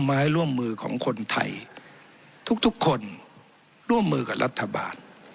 ไม้ร่วมมือของคนไทยทุกคนร่วมมือกับรัฐบาล